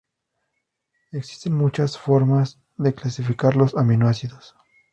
Existen muchas formas de clasificar los aminoácidos.